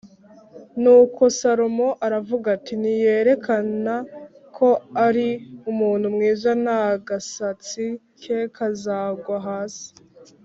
Nuko Salomo aravuga ati “Niyerekana ko ari umuntu mwiza nta gasatsi ke kazagwa hasi